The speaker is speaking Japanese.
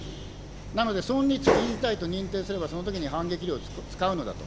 なので存立危機事態と認定されれば、そのときに反撃力を使うのだと。